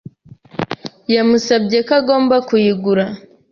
Yamusabye ko agomba kuyigura.